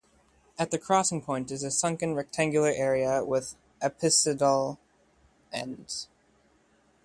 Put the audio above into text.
At the crossing point is a sunken rectangular area with apsidal ends.